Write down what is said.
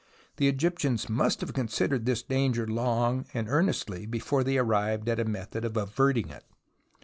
The Egyptians must have considered this danger long and earnestly before they arrived at a method of averting it.